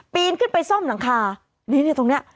นขึ้นไปซ่อมหลังคานี่ตรงนี้